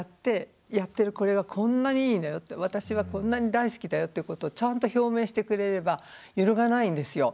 私はこんなに大好きだよっていうことをちゃんと表明してくれれば揺るがないんですよ。